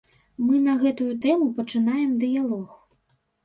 Мы на гэтую тэму пачынаем дыялог.